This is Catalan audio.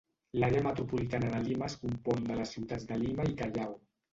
L'Àrea Metropolitana de Lima es compon de les ciutats de Lima i Callao.